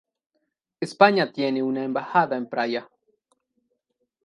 España tiene una embajada en Praia.